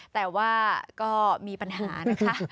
แต่ว่าก็มีปัญหานะคะ